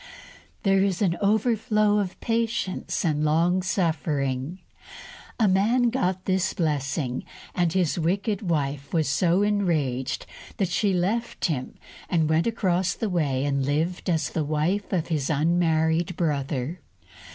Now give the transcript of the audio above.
There is an overflow of patience and long suffering. A man got this blessing, and his wicked wife was so enraged that she left him, and went across the way and lived as the wife of his unmarried brother.